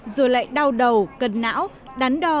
rồi lại đau đầu cân não